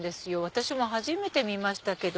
私も初めて見ましたけど。